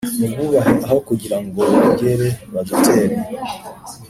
Mububahe aho kugira ngo bongere badutere